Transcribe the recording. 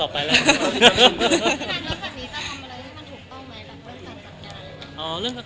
อ่ะความควรดี